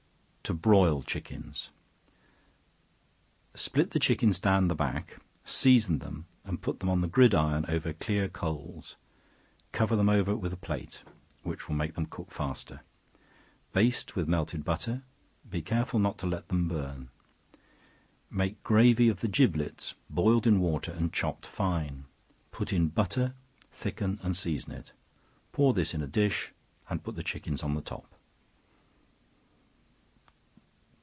To Broil Chickens. Split the chickens down the back; season them, and put them on the gridiron over clear coals; cover them over with a plate, (which will make them cook faster,) baste with melted butter: be careful not to let them burn. Make gravy of the giblets, boiled in water and chopped fine; put in butter, thicken and season it; pour this in a dish, and put the chickens on the top.